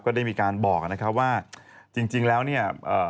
ก็ได้มีการบอกนะครับว่าจริงแล้วเนี่ย